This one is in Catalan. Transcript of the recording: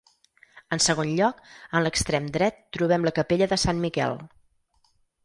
En segon lloc, en l'extrem dret trobem la capella de Sant Miquel.